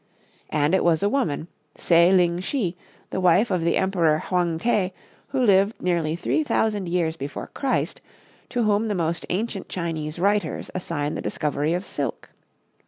And it was a woman, Se ling she, the wife of the emperor, Hwang te, who lived nearly three thousand years before Christ, to whom the most ancient Chinese writers assign the discovery of silk.